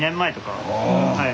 はい。